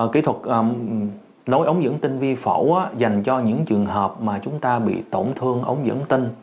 kỹ thuật lối ống dẫn tinh vi phổi dành cho những trường hợp mà chúng ta bị tổn thương ống dẫn tinh